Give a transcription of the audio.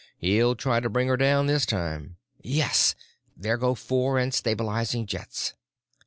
"He'll try to bring her down this time. Yes! There go fore and stabilizing jets."